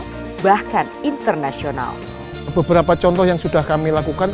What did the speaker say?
beberapa contoh yang sudah kami lakukan bahkan internasional beberapa contoh yang sudah kami lakukan